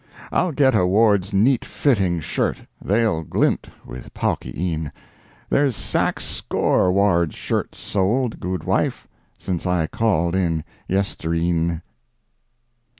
I'll get a Ward's Neat Fitting Shirt— They'll glint wi' pawky een, There's sax score Ward's Shirts sold, gude wife, Since I called in yestreen.